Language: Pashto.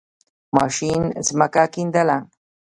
ماشین زَمکه کیندله.